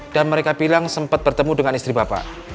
dan mereka bilang sempet bertemu dengan istri bapak